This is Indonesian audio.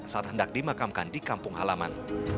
saat hendak dimakamkan di kampung halaman